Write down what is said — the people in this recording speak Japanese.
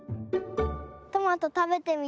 トマトたべてみたい。